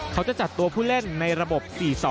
เขาจะจัดตัวผู้เล่นในระบบ๔๒